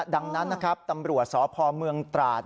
ดังนั้นนะครับตำรวจสพเมืองตราด